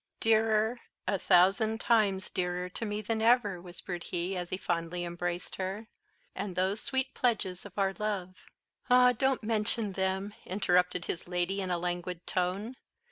"Dearer a thousand times dearer to me than ever," whispered he, as he fondly embraced her, "and those sweet pledges of our love!" "Ah, don't mention them," interrupted his lady in a languid tone.